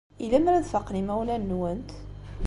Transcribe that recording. I lemmer ad faqen yimawlan-nwent?